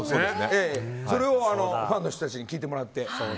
それをファンの人たちに聴いてもらって。